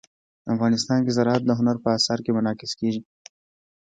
افغانستان کې زراعت د هنر په اثار کې منعکس کېږي.